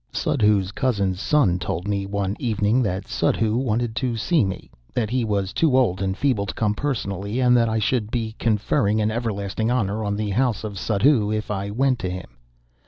Suddhoo's cousin's son told me, one evening, that Suddhoo wanted to see me; that he was too old and feeble to come personally, and that I should be conferring an everlasting honor on the House of Suddhoo if I went to him.